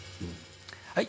はい。